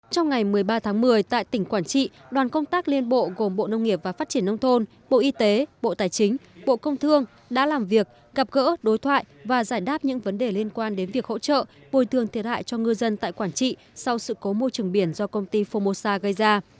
trong ngày một mươi ba tháng một mươi tại tỉnh quảng trị đoàn công tác liên bộ gồm bộ nông nghiệp và phát triển nông thôn bộ y tế bộ tài chính bộ công thương đã làm việc gặp gỡ đối thoại và giải đáp những vấn đề liên quan đến việc hỗ trợ bồi thường thiệt hại cho ngư dân tại quảng trị sau sự cố môi trường biển do công ty fomosa gây ra